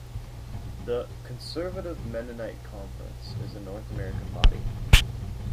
The "Conservative Mennonite Conference" is a North American body.